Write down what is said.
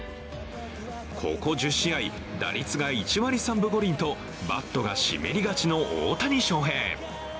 ここ１０試合、打率が１割３分５厘とバットが湿りがちの大谷翔平。